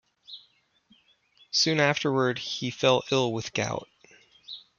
Soon afterward, he fell ill with gout.